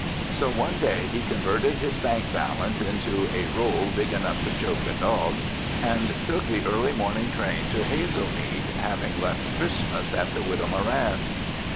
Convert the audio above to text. So one day, he converted his bank balance into "a roll big enough to choke a dog," and took the early morning train to Hazelmead, having left Christmas at the Widow Moran's.